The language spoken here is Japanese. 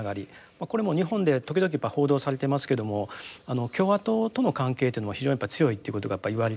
これも日本で時々報道されていますけども共和党との関係というのは非常に強いってことが言われています。